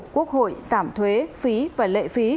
quốc hội giảm thuế phí và lệ phí